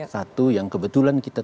satu yang kebetulan kita